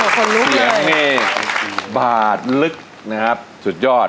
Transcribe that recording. เสียงแม่บาดลึกสุดยอด